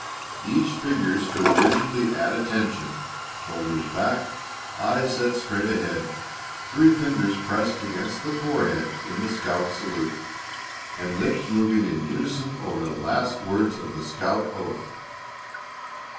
Each figure stood rigidly at attention, shoulders back, eyes set straight ahead, three fingers pressed against the forehead in the scout salute, and lips moving in unison over the last words of the scout oath.